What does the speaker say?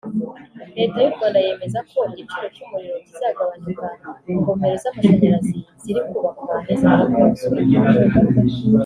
Leta y’u Rwanda yemeza ko igiciro cy’umuriro kizagabanuka ingomero z’amashanyarazi ziri kubakwa nizimara kuzura